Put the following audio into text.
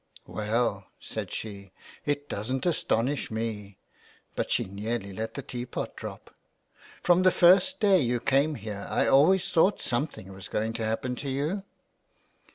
''" Well," said she, " it doesa't astonish me," but she nearly let the teapot drop. " From the first day you came here I always thought something was going to happen to you."